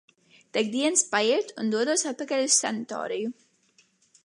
Tak dienas paiet un dodos atpakaļ uz sanatoriju.